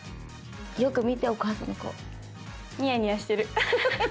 よく見てお母さんの顔。ニヤニヤしてる。